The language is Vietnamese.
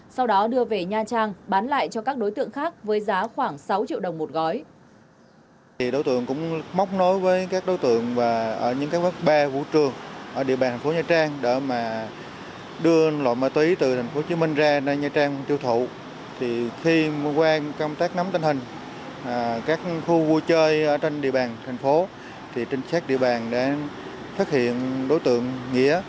sau đó đưa về nha trang bán lại cho các đối tượng khác với giá khoảng sáu triệu đồng một gói